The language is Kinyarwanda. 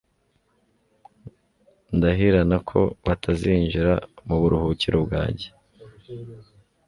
ndahirana ko batazinjira mu buruhukiro bwanjye